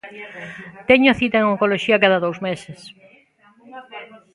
Teño cita en oncoloxía cada dous meses.